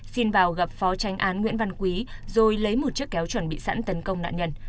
xin vào gặp phó tranh án nguyễn văn quý rồi lấy một chiếc kéo chuẩn bị sẵn tấn công nạn nhân